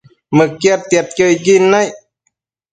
Mëquiadtiadquio icquid naic